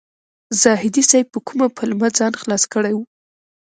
زاهدي صیب په کومه پلمه ځان خلاص کړی و.